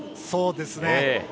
そうですね。